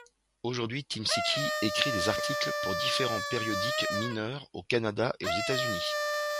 Aujourd'hui Tymiński écrit des articles pour différents périodiques mineurs au Canada et aux États-Unis.